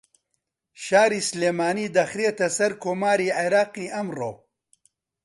شاری سلێمانی دەخرێتە سەر کۆماری عێراقی ئەمڕۆ